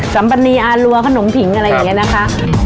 สัมปนีอ๊ารัวขนมผิงอะไรแบบนี้นะคะ